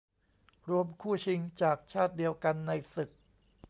รวมคู่ชิงจากชาติเดียวกันในศึก